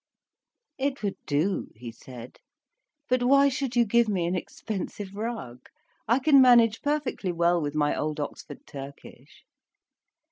"It would do," he said. "But why should you give me an expensive rug? I can manage perfectly well with my old Oxford Turkish."